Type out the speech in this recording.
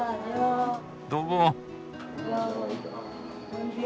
どうも！